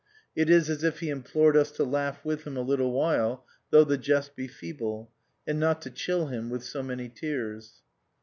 It is as if he implored us to laugh with him a little while though the jest be feeble, and not to chill him with so many tears.